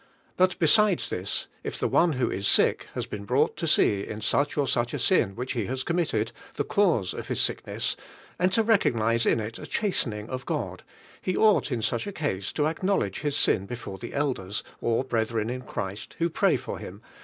But besides this, if one who is sick, has been brought to ace in such or such a sin which he has com mitted, the cause of his sickness, and to recognise in it a chastening of God, lie ought in such a ease to acknowledge his sin before Hie elders, or brethren in Christ who pray for him.